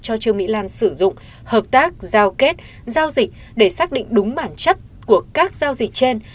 cho trương mỹ lan sử dụng hợp tác giao kết giao dịch để xác định đúng bản chất của các giao dịch trên